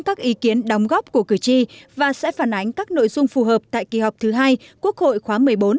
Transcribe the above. các ý kiến đóng góp của cử tri và sẽ phản ánh các nội dung phù hợp tại kỳ họp thứ hai quốc hội khóa một mươi bốn